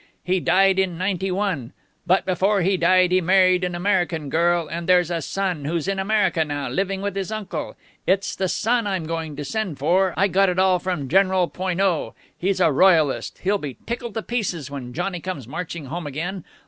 He died in ninety one. But before he died he married an American girl, and there's a son, who's in America now, living with his uncle. It's the son I'm going to send for. I got it all from General Poineau. He's a royalist. He'll be tickled to pieces when Johnny comes marching home again.